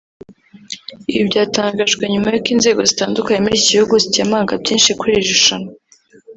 Ibi byatangajwe nyuma y’uko inzego zitandukanye muri iki gihugu zikemanga byinshi kuri iri rushanwa